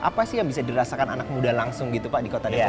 apa sih yang bisa dirasakan anak muda langsung gitu pak di kota depok